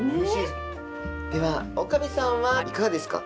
では女将さんはいかがですか？